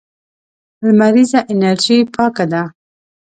لمريزه انرژي پاکه ده.